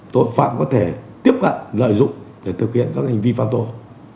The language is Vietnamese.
tội phạm có thể tiếp cận lợi dụng để thực hiện các hành vi phạm tội